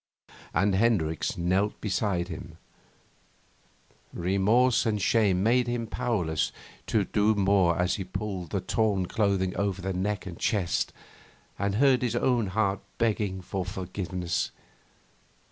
And Hendricks knelt beside him. Remorse and shame made him powerless to do more as he pulled the torn clothing over the neck and chest and heard his own heart begging for forgiveness.